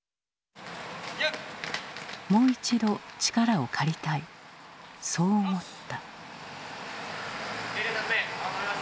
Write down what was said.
もう一度力を借りたいそう思った。